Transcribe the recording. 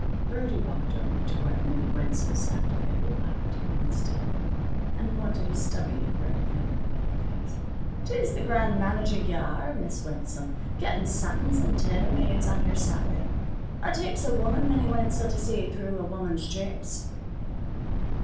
Birdie walked over to where Minnie Wenzel sat, very white and still, and pointed a stubby red finger in her face. "'Tis the grand manager ye are, Miss Wenzel, gettin' satins an' tailor mades on yer salary. It takes a woman, Minnie Wenzel, to see through a woman's thricks."